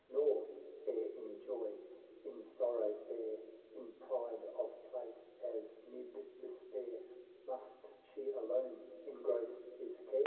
Nor, fair in joy, in sorrow fair, In pride of place as 'mid despair, Must she alone engross his care.